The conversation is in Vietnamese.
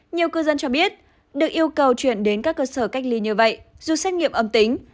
nhiều cư dân cho biết được yêu cầu chuyển đến các cơ sở cách ly như vậy dù xét nghiệm âm tính